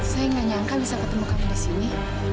saya nggak nyangka bisa ketemu kamu di sini